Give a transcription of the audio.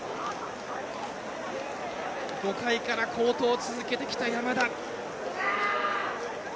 ５回から好投を続けてきた山田。